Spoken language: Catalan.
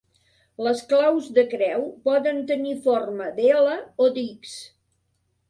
Les claus de creu poden tenir forma d'L o d'X.